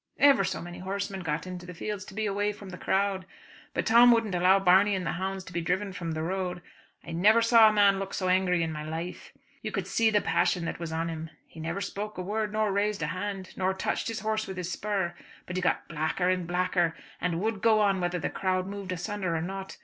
Ever so many horsemen got into the fields to be away from the crowd. But Tom wouldn't allow Barney and the hounds to be driven from the road. I never saw a man look so angry in my life. You could see the passion that was on him. He never spoke a word, nor raised a hand, nor touched his horse with his spur; but he got blacker and blacker, and would go on whether the crowd moved asunder or not.